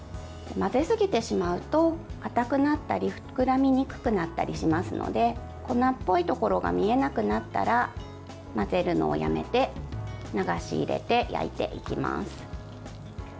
混ぜすぎてしまうとかたくなったり膨らみにくくなったりしますので粉っぽいところが見えなくなったら混ぜるのをやめて流し入れて焼いていきます。